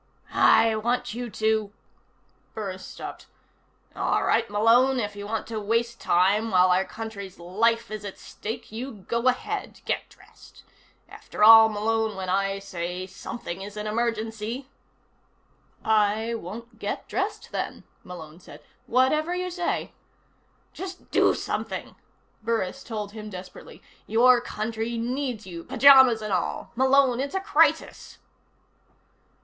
"I want you to " Burris stopped. "All right, Malone. If you want to waste time while our country's life is at stake, you go ahead. Get dressed. After all, Malone, when I say something is an emergency " "I won't get dressed, then," Malone said. "Whatever you say." "Just do something!" Burris told him desperately. "Your country needs you. Pyjamas and all. Malone, it's a crisis!"